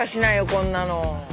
こんなの。